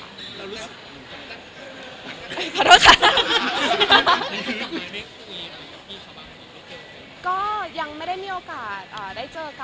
แล้วรู้สึกว่าคุณก็ยังไม่ได้มีโอกาสได้เจอกัน